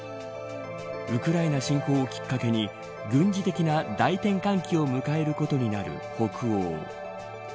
ウクライナ侵攻をきっかけに軍事的な大転換期を迎えることになる北欧。